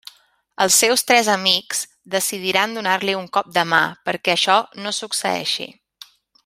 Els seus tres amics decidiran donar-li un cop de mà perquè això no succeeixi.